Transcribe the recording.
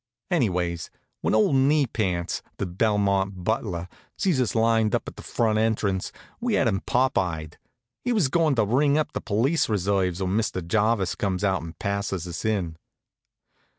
Anyways, when old Knee Pants, the Blenmont butler, sees us lined up at the front entrance, we had him pop eyed. He was goin' to ring up the police reserves, when Mr. Jarvis comes out and passes us in.